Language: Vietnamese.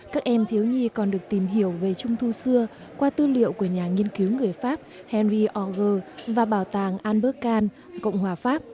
các em thiếu nhi còn được tìm hiểu về trung thu xưa qua tư liệu của nhà nghiên cứu